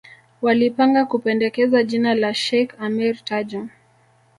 Walipanga kupendekeza jina la Sheikh Ameir Tajo